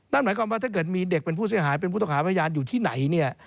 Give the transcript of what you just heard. นั่นหมายความว่าถ้าเกิดมีเด็กเป็นผู้เสียหายเป็นผู้ต้องหาพยานอยู่ที่ไหนเนี่ย